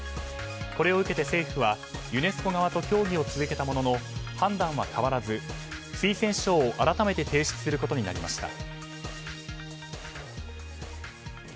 これを受けて政府はユネスコ側と協議を続けたものの判断は変わらず推薦書を改めて提出することになりました。